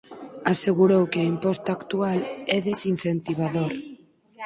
Asegurou que o imposto actual é desincentivador.